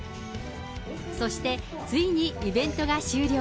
そして、ついにイベントが終了。